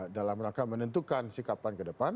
dalam rangka menentukan sikapan ke depan